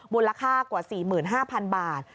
มูลค่ากว่า๔๕๐๐๐บาท